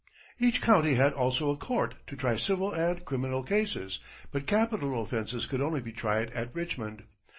Each county had also a court to try civil and criminal cases, but capital offenses could only be tried at Richmond.